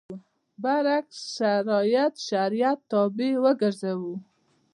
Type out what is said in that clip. برعکس شرایط شریعت تابع وګرځوو.